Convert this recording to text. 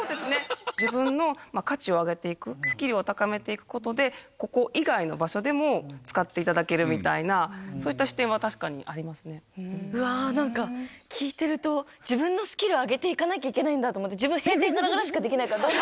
自分の価値を上げていく、スキルを高めていくことで、ここ以外の場所でも使っていただけるみたいな、そういった視点は確かにありうわー、なんか聞いてると、自分のスキル上げていかなきゃいけないんだって、自分、閉店ガラガラしかできないから。